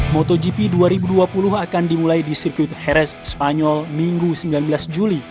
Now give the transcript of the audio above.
motogp dua ribu dua puluh akan dimulai di sirkuit harres spanyol minggu sembilan belas juli